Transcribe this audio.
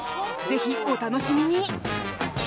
ぜひお楽しみに！